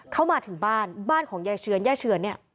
เข้ามาถึงบ้านบ้านของยายเชือน